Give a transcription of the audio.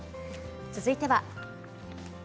続いては。